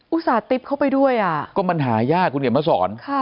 ต่าติ๊บเข้าไปด้วยอ่ะก็มันหายากคุณเห็นมาสอน